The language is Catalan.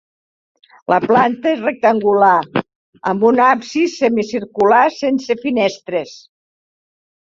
La planta és rectangular amb un absis semicircular sense finestres.